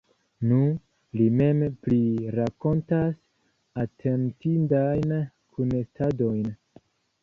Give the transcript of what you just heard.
Nu, li mem prirakontas atentindajn kunestadojn.